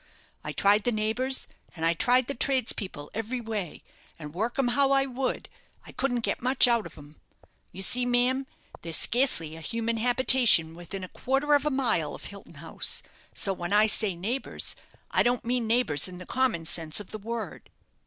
I tried the neighbours, and I tried the tradespeople, every way; and work 'em how I would, I couldn't get much out of 'em. You see, ma'am, there's scarcely a human habitation within a quarter of a mile of Hilton House, so, when I say neighbours, I don't mean neighbours in the common sense of the word.